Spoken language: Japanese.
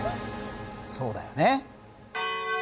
そうだよね。